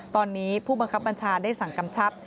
ตอนนี้ผู้บังคับบัญชาได้สั่งกำชับ